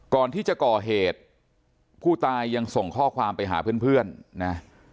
ก่อนที่จะก่อเหตุผู้ตายยังส่งข้อความไปหาเพื่อนนะ